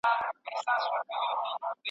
نوی ژوند پیل کړئ.